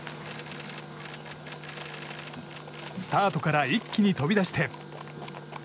スタートから一気に飛び出して。